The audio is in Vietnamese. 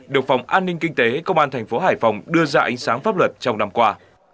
được phòng an ninh kinh tế công an thành phố hải phòng đưa ra ánh sáng pháp luật trong năm qua